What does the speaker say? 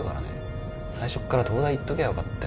最初っから東大行っときゃよかったよ。